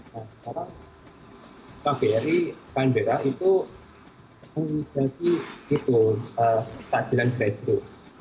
nah sekarang kbr kmbr itu inisiasi gitu takjilan drive thru